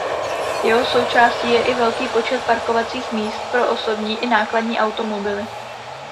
Jeho součástí je i velký počet parkovacích míst pro osobní i nákladní automobily.